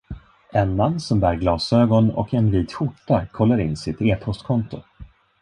En man som bär glasögon och en vit skjorta kollar in sitt e-postkonto.